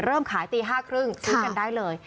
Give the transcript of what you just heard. เริ่มขายตี๕๓๐ซื้อกันได้เลย